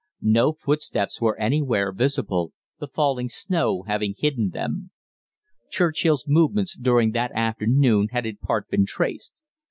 No footsteps were anywhere visible, the falling snow having hidden them. Churchill's movements during that afternoon had in part been traced.